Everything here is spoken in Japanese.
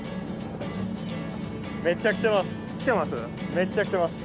めっちゃ来てます。